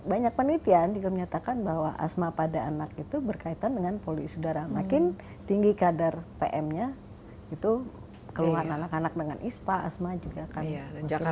tapi banyak penelitian juga menyatakan bahwa asma pada anak itu berkaitan dengan poli sudara makin tinggi kadar pm nya itu keluar anak anak dengan asma juga akan mengumpulkan